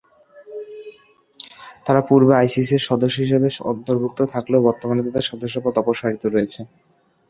তারা পূর্বে আইসিসি এর সদস্য হিসেবে অন্তর্ভুক্ত থাকলেও, বর্তমানে তাদের সদস্যপদ অপসারিত রয়েছে।